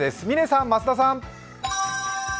嶺さん、増田さん。